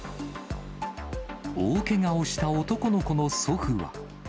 大けがをした男の子の祖父は。